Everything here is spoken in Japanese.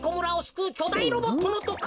くうきょだいロボットのとか。